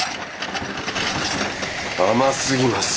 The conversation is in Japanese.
甘すぎます。